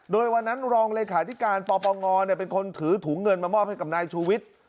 โดยวันนั้นรองเลขาธิการปปงเป็นคนถือถุงเงินมามอบให้กับนายชูวิทย์